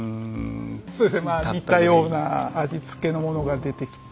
そうですね似たような味付けのものが出てきて。